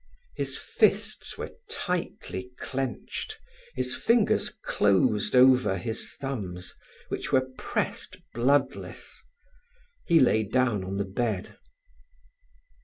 His fists were tightly clenched, his fingers closed over his thumbs, which were pressed bloodless. He lay down on the bed.